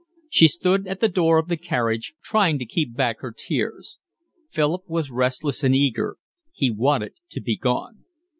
She stood at the door of the carriage, trying to keep back her tears. Philip was restless and eager. He wanted to be gone.